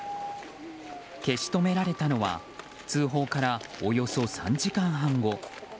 消し止められたのは通報から、およそ３時間半後。